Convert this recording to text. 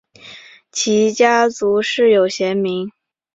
其家族世有贤名。